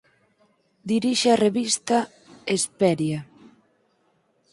Dirixe a revista "Hesperia.